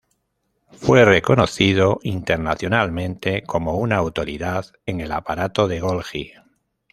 Fue reconocido internacionalmente como una autoridad en el aparato de Golgi.